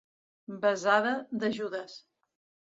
Besada de Judes.